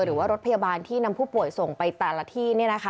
หรือว่ารถพยาบาลที่นำผู้ป่วยส่งไปแต่ละที่